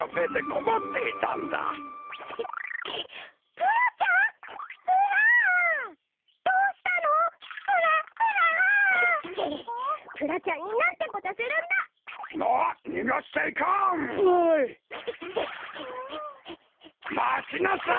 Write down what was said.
まちなさい！